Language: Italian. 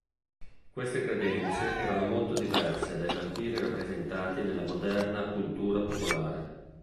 Queste credenze erano molto diverse dai vampiri rappresentati nella moderna cultura popolare.